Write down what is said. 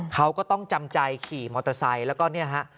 เขาก็ต้องจำใจขี่มอเตอร์ไซค์แล้วก็เนี่ยฮะ